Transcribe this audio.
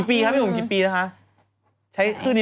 พี่หนุ่มกี่ปีแล้วคะ